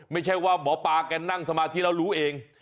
ไม่ใช่ว่าหมอปลาแกนั่งสมาธิแล้วรู้เอง